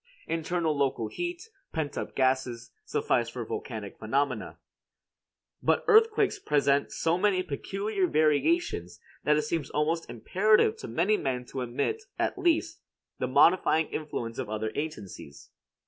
Internal local heat, pent up gases, suffice for volcanic phenomena; but earthquakes present so many peculiar variations that it seems almost imperative to many men to admit, at least, the modifying influence of other agencies.